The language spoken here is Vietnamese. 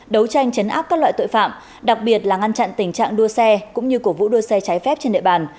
đấu tranh chấn áp các loại tội phạm đặc biệt là ngăn chặn tình trạng đua xe cũng như cổ vũ đua xe trái phép trên địa bàn